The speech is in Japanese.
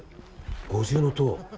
五重塔。